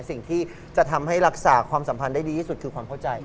สิ่งที่จะทำให้รักษาความสัมพันธ์ได้ดีที่สุดคือความเข้าใจ